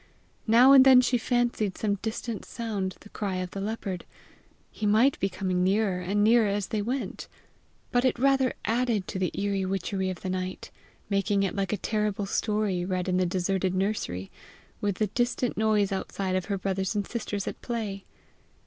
Now and then she fancied some distant sound the cry of the leopard: he might be coming nearer and nearer as they went! but it rather added to the eerie witchery of the night, making it like a terrible story read in the deserted nursery, with the distant noise outside of her brothers and sisters at play.